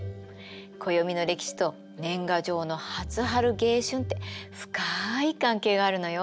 暦の歴史と年賀状の初春・迎春って深い関係があるのよ。